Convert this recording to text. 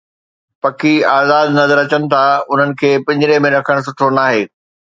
پکي آزاد نظر اچن ٿا، انهن کي پنجري ۾ رکڻ سٺو ناهي